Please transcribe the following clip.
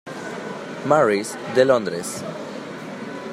Mary's de Londres.